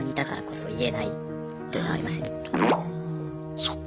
そっか。